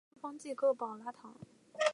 圣方济各保拉堂。